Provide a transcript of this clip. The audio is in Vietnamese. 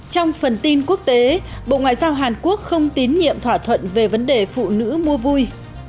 trong phần tin quốc tế bộ ngoại giao hàn quốc không tín nhiệm thỏa thuận về vấn đề phụ nữ mua vui